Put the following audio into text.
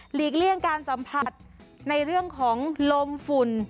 เลี่ยงการสัมผัสในเรื่องของลมฝุ่น